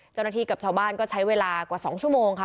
เจ้าหน้าที่กับชาวบ้านก็ใช้เวลากว่า๒ชั่วโมงค่ะ